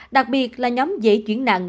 đặc biệt là nhóm dễ chuyển nặng